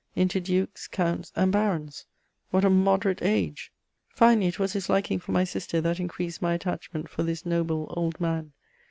into dukes, counts and barons ! What a moderate age ! Finally, it was his liking for my sister that increased my attachment for this noble old man.